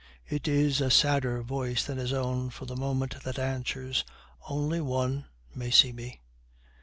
It is a sadder voice than his own for the moment that answers, 'Only one may see me.'